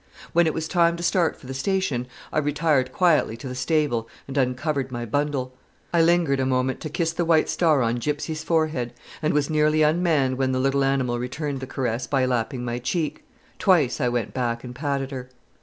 When it was time to start for the station I retired quietly to the stable and uncovered my bundle. I lingered a moment to kiss the white star on Gypsy's forehead, and was nearly unmanned when the little animal returned the caress by lapping my cheek. Twice I went back and patted her.